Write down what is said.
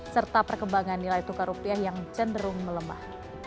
serta perkembangan nilai tukar rupiah yang cenderung melemah